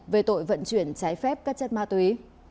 về tội vận chuyển trái phép các chất ma túy